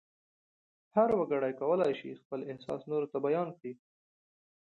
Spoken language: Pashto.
هر وګړی کولای شي خپل احساس نورو ته بیان کړي.